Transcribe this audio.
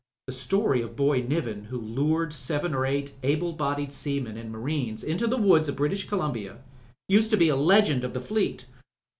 The story of Boy Niven who lured seven or eight able bodied seamen and marines into the woods of British Columbia used to be a legend of the Fleet.